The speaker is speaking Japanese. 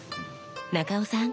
中尾さん